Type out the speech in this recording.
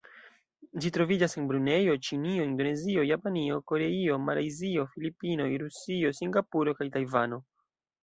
Ĝi troviĝas en Brunejo, Ĉinio, Indonezio, Japanio, Koreio, Malajzio, Filipinoj, Rusio, Singapuro kaj Tajvano.